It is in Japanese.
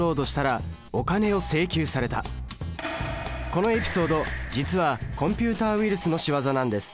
このエピソード実はコンピュータウイルスの仕業なんです。